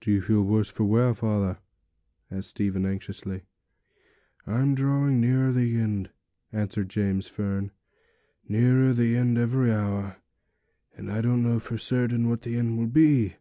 'Do you feel worse, father?' asked Stephen anxiously. 'I'm drawing nearer the end,' answered James Fern, 'nearer the end every hour; and I don't know for certain what the end will be.